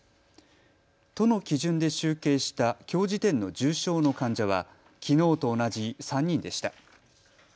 都の基準で集計したきょう時点の重症の患者はきのうと同じ３人でした。